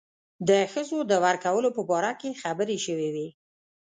د ښځو د ورکولو په باره کې خبرې شوې وې.